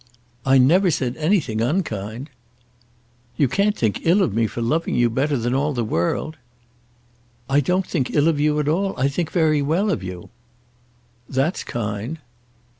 "I never said anything unkind." "You can't think ill of me for loving you better than all the world." "I don't think ill of you at all. I think very well of you." "That's kind."